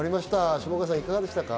下川さん、いかがでしたか？